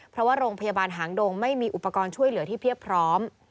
เพราะว่าโรงพยาบาลหางดงไม่มีอุปกรณ์ช่วยเหลือที่เพียบพร้อม